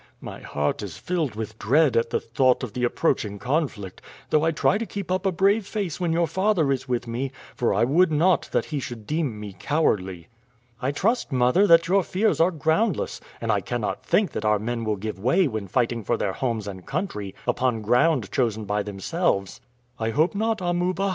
My heart is filled with dread at the thought of the approaching conflict, though I try to keep up a brave face when your father is with me, for I would not that he should deem me cowardly." "I trust, mother, that your fears are groundless, and I cannot think that our men will give way when fighting for their homes and country upon ground chosen by themselves." "I hope not, Amuba.